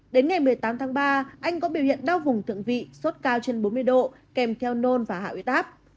đến ngày một mươi tám tháng ba anh có biểu hiện đau vùng thượng vị sốt cao trên bốn mươi độ kèm theo nôn và hạ huyết áp